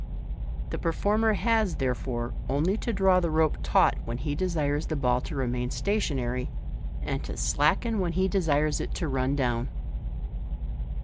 The performer has, therefore, only to draw the rope taut when he desires the bill to remain s'at onary, and to slacken when he desires it to run down.